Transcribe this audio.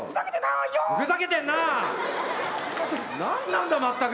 何なんだ全く！